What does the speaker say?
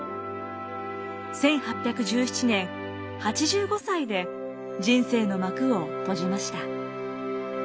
１８１７年８５歳で人生の幕を閉じました。